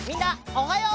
おはよう！